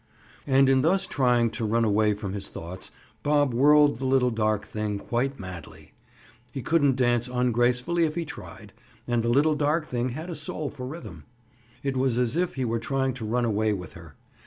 And in thus trying to run away from his thoughts Bob whirled the little dark thing quite madly. He couldn't dance ungracefully if he tried and the little dark thing had a soul for rhythm. It was as if he were trying to run away with her.